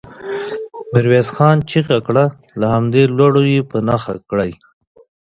ميرويس خان چيغه کړه! له همدې لوړو يې په نښه کړئ.